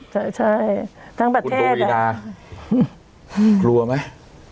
ใช่ใช่ทั้งประเทศคุณตุวินาครัวไหม